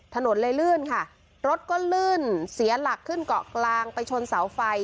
ถนนเลยลื่นค่ะรถก็ลื่นเสียหลักขึ้นเกาะกลางไปชนเสาไฟ